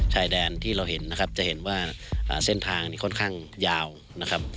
ชายแดนที่เราเห็นนะครับจะเห็นว่าเส้นทางนี้ค่อนข้างยาวนะครับ